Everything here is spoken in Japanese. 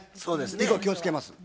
以後気をつけます。